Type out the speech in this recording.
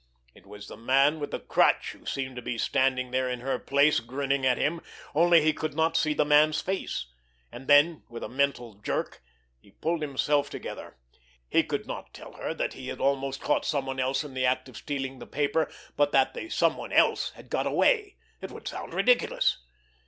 It was the Man with the Crutch who seemed to be standing there in her place, grinning at him—only he could not see the man's face. And then, with a mental jerk, he pulled himself together. He could not tell her that he had almost caught someone else in the act of stealing the paper, but that the "some one else" had got away. It would sound ridiculous!